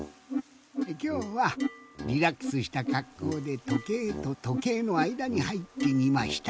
きょうはリラックスしたかっこうでとけいととけいのあいだにはいってみました。